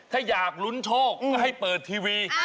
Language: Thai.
ถ้าอยากลุ้นโชคก็ให้เปิดทีวี